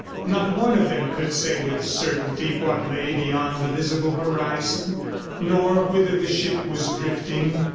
Not one of them could say with certainty what lay beyond the visible horizon, nor whither the ship was drifting.